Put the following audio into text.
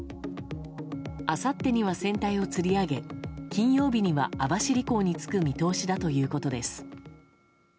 あさってには船体をつり上げ金曜日には網走港に着く見通しだということです。